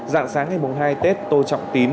giảng sáng ngày hai hai tết tô trọng tín